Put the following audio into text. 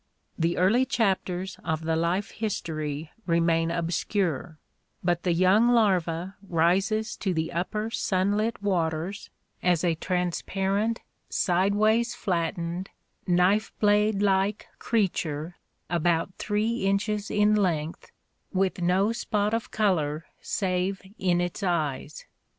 The early chapters of the life history remain obscure, but the young larva rises to the upper sunlit waters as a transparent, sideways flattened, knife blade like creature, about three inches in length, with no spot of color save in its eyes.